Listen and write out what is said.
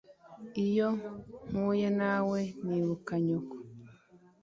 Iyo mpuye nawe nibuka nyoko